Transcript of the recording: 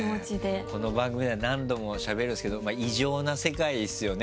この番組では何度もしゃべるんですけど異常な世界ですよね